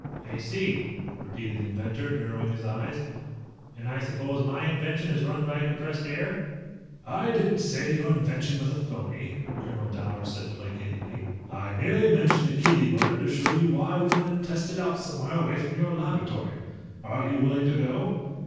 "I see," repeated the inventor, narrowing his eyes. "And I suppose my invention is run by compressed air?" "I didn't say your invention was a phony," Colonel Dower said placatingly. "I merely mentioned the Keely Motor to show you why we want to test it out somewhere away from your laboratory. Are you willing to go?"